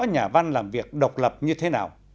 nhà văn làm việc độc lập như thế nào